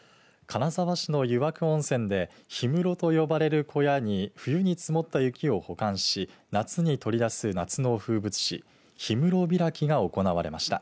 金沢市の湯涌温泉で氷室と呼ばれる小屋に冬に積もった雪を保管し夏に取り出す夏の風物詩氷室開きが行われました。